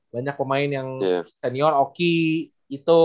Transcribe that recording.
banyak pemain yang senior oki itu